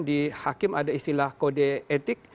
di hakim ada istilah kode etik